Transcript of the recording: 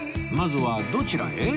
まずはどちらへ？